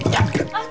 あっ！